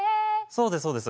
そうですそうです。